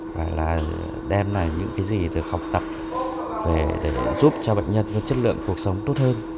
và là đem lại những cái gì được học tập về để giúp cho bệnh nhân có chất lượng cuộc sống tốt hơn